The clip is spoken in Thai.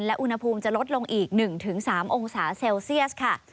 และอุณหภูมิจะลดลงอีก๑๓องศาเซลเซียสค่ะ